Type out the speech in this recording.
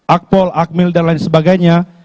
akpol akmil dan lain sebagainya